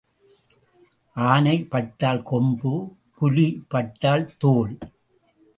ஆனை பட்டால் கொம்பு புலி பட்டால் தோல்.